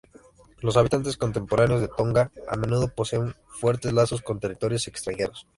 Los habitantes contemporáneos de Tonga a menudo poseen fuertes lazos con territorios extranjeros.